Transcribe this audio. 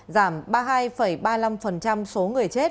giảm ba mươi hai ba mươi năm số người chết